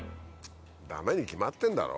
ダメに決まってんだろ？